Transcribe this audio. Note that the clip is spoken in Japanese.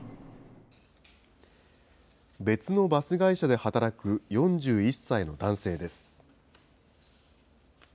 別のバス会社で働く４１歳の男性です。